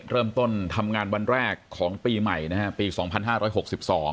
เริ่มต้นทำงานวันแรกของปีใหม่นะฮะปีสองพันห้าร้อยหกสิบสอง